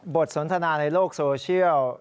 สนทนาในโลกโซเชียล